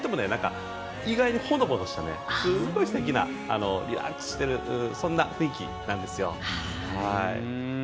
意外にほのぼのしたすごいすてきでリラックスしているそんな雰囲気なんですよ。